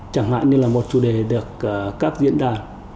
chẳng hạn như là một chủ đề được các diễn đàn